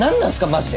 マジで。